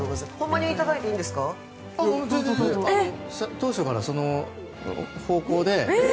当初からその方向で。